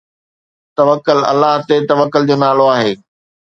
توڪل الله تي توڪل جو نالو آهي